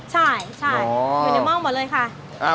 ใช่อยู่ในม่องหมดเลยค่ะ